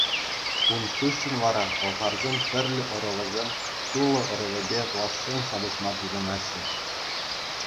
Ун хыҫҫӑн вара пӑлхарсен тӗрлӗ ӑрӑвӗсем Тулӑ ӑрӑвӗпе влаҫшӑн ҫапӑҫма тытӑнаҫҫӗ.